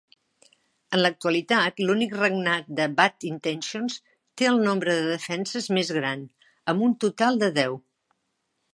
En l'actualitat, l'únic regnat de Bad Intentions té el nombre de defenses més gran, amb un total de deu.